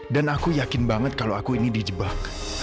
dan aku yakin banget kalau aku ini dijebak